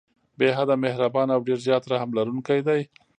بې حده مهربان او ډير زيات رحم لرونکی دی